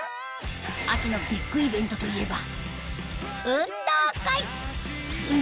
秋のビッグイベントといえば運動会！